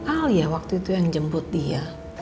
al ya waktu itu yang jemput dia